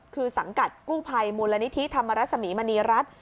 คือสังกัดกู้ภัยมูลนิธิธรรมรสมีมณีรัฐ